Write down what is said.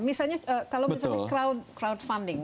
misalnya kalau misalnya crowdfunding